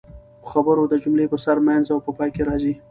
خبر د جملې په سر، منځ او پای کښي راځي.